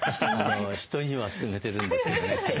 人には勧めてるんですけどね。